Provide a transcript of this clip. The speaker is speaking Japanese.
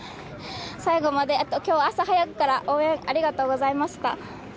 最後まで今日は朝早くから応援ありがとうございました。